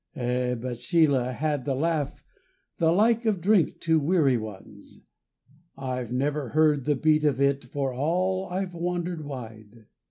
Eh, but Sheila had the laugh the like of drink to weary ones, (I've never heard the beat of it for all I've wandered wide.)